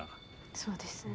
そうですね。